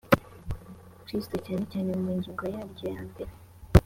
kristo cyane cyane mu ngingo yaryo ya mbere